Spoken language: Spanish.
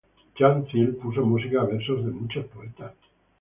Chan Cil puso música a versos de muchos poetas.